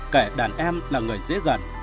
kể đàn em là người dễ gần